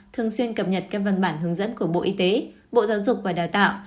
thường xuyên cập nhật các văn bản hướng dẫn của bộ y tế bộ giáo dục và đào tạo